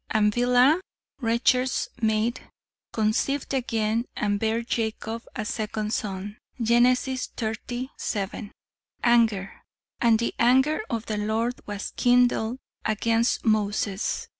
'And Bilhah, Rachel's maid, conceived again and bare Jacob a second son.' Gen. xxx, 7. "Anger. 'And the anger of the Lord was kindled against Moses.'